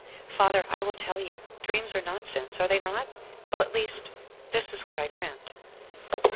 "Father, I will tell you. Dreams are nonsense, are they not? Well, at least, this is what I dreamt.